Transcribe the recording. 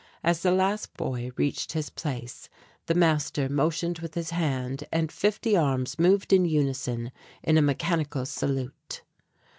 As the last boy reached his place the master motioned with his hand and fifty arms moved in unison in a mechanical salute.